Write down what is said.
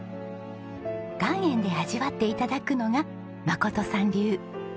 岩塩で味わって頂くのが真さん流。